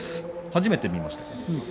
初めて見ました。